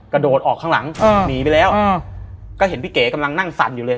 กระโดดออกข้างหลังหนีไปแล้วก็เห็นพี่เก๋กำลังนั่งสั่นอยู่เลย